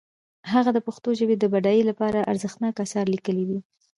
هغه د پښتو ژبې د بډاینې لپاره ارزښتناک آثار لیکلي دي.